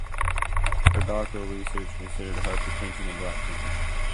Her doctoral research considered hypertension in Black people.